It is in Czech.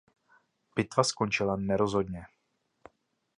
Bitva skončila nerozhodně.